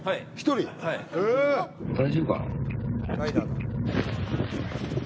大丈夫かな？